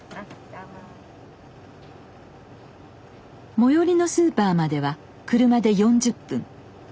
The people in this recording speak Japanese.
最寄りのスーパーまでは車で４０分。